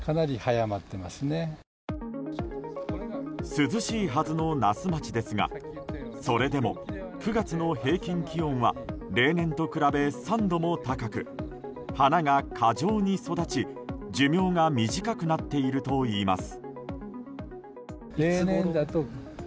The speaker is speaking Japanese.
涼しいはずの那須町ですがそれでも９月の平均気温は例年と比べ３度も高く花が過剰に育ち、寿命が短くなっているといいます。